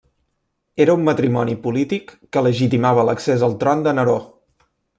Era un matrimoni polític, que legitimava l'accés al tron de Neró.